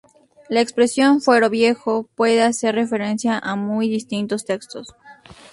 La expresión "Fuero Viejo" puede hacer referencia a muy distintos textos.